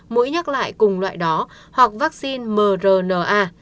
mũi nhắc lại cùng loại đó hoặc vaccine mrna